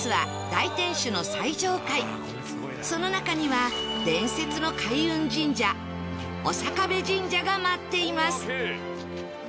その中には伝説の開運神社長壁神社が待っています